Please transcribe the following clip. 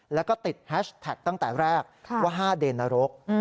แล้วก็ติดแฮชแท็กตั้งแต่แรกว่า๕เดนนรก